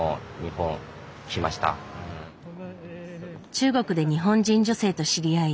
中国で日本人女性と知り合い